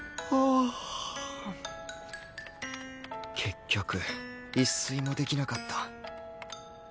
結局一睡もできなかった